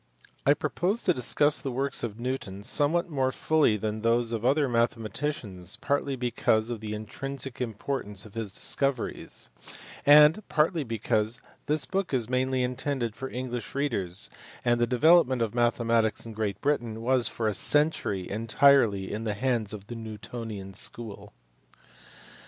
I propose to discuss the works of Newton somewhat more fully than those of other mathematicians, partly because of the intrinsic importance of his discoveries, and partly because this book is mainly intended for English readers and the develop ment of mathematics in Great Britain was for a century entirely in the hands of the Newtonian school.